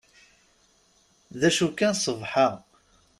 D acu kan sbeḥ-a.